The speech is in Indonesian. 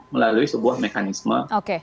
melalui sebuah mekanisme